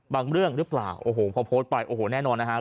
เรื่องหรือเปล่าโอ้โหพอโพสต์ไปโอ้โหแน่นอนนะฮะ